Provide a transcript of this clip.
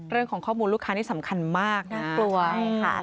เรื่องของข้อมูลลูกค้านี่สำคัญมากน่ากลัวใช่ค่ะ